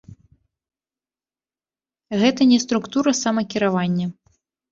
Гэта не структура самакіравання.